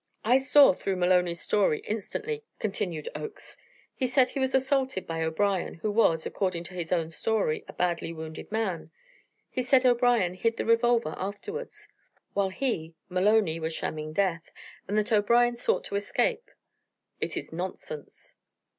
"I saw through Maloney's story instantly," continued Oakes. "He said he was assaulted by O'Brien, who was, according to his own story, a badly wounded man. He said O'Brien hid the revolver afterwards, while he, Maloney, was shamming death, and that O'Brien sought to escape. It is nonsense."